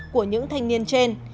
của những thanh niên trên